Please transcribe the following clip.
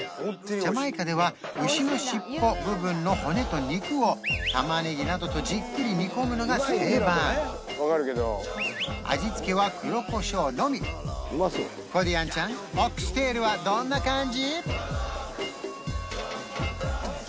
ジャマイカでは牛の尻尾部分の骨と肉を玉ねぎなどとじっくり煮込むのが定番コディアンちゃんオックステールはどんな感じ？